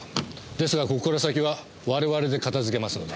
ですがここから先は我々で片付けますので。